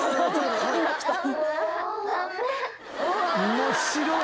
面白い！